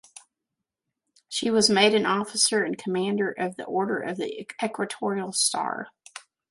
She was made an officer and commander of the Order of the Equatorial Star.